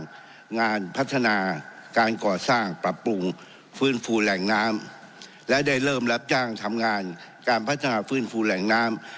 งานพัฒนาการก่อสร้างปรับปรุงฟื้นฟูแหล่งน้ำและได้เริ่มรับจ้างทำงานการพัฒนาฟื้นฟูแหล่งน้ำ